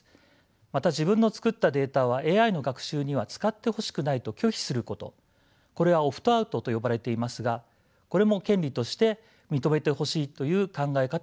また自分の作ったデータはＡＩの学習には使ってほしくないと拒否することこれはオプトアウトと呼ばれていますがこれも権利として認めてほしいという考え方もあると思います。